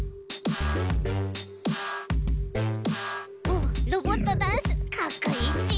おっロボットダンスかっこいいち。